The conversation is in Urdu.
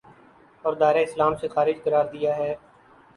اور دائرۂ اسلام سے خارج قرار دیا ہے